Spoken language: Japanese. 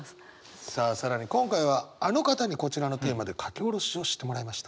さあ更に今回はあの方にこちらのテーマで書き下ろしをしてもらいました。